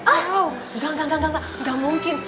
enggak enggak enggak nggak mungkin